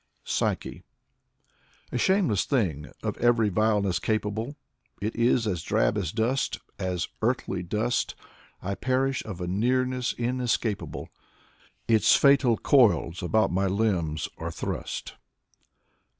70 Zinaida Hip plus PSYCHE A shameless thing, of every vileness capable, It is as drab as dust, as earthly dust. I perish of a nearness inescapable; Its fatal coils about my limbs are thrust.